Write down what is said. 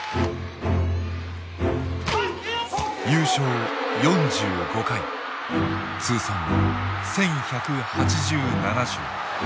優勝４５回通算１，１８７勝。